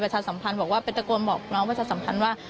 พระชาติสัมพันธ์บอกว่าเป็นตะโกนบอกพระชาติสัมพันธ์ว่า